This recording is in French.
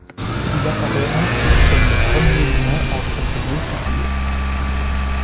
Il apparaît ainsi comme le premier lien entre ces deux figures.